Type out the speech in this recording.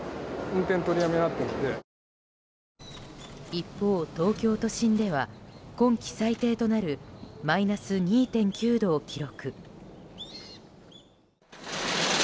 一方、東京都心では今季最低となるマイナス２．９度を記録。